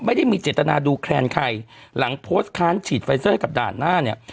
ไม่ได้มีเจตนาดูแคลนใครหลังโพสต์ค้านฉีดไฟเซอร์ให้กับด่านหน้าเนี่ย